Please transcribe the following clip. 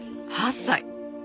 ８歳。